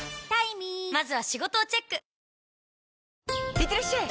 いってらっしゃい！